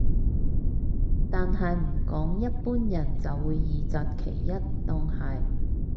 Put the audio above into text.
但係唔講一般人就會二擇其一當係